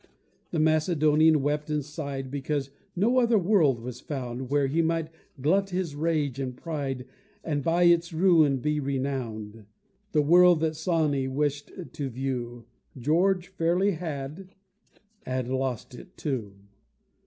The Macedonian wept and sighed Because no other world was found Where he might glut his rage and pride, And by its ruin be renowned; The world that Sawney wished to view George fairly had and lost it too!